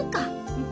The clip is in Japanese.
うん。